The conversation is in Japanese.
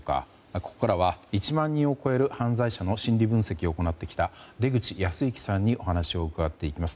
ここからは１万人を超える犯罪者の心理分析を行ってきた出口保行さんにお話を伺っていきます。